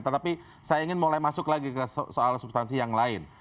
tetapi saya ingin mulai masuk lagi ke soal substansi yang lain